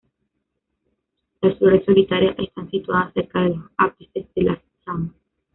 Las flores solitarias están situadas cerca de los ápices de las ramas.